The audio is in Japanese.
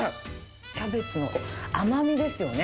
キャベツの甘みですよね。